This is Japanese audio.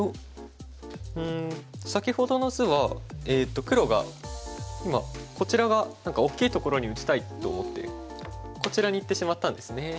うん先ほどの図は黒が今こちらが何か大きいところに打ちたいと思ってこちらにいってしまったんですね。